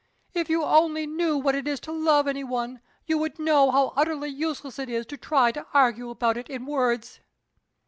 "If you only knew what it is to love anyone, you would know how utterly useless it is to try to argue about it in words."